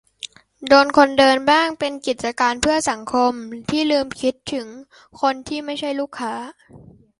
โดนคนเดินบ้าง เป็น "กิจการเพื่อสังคม" ที่ลืมคิดถึงคนที่ไม่ใช่ลูกค้า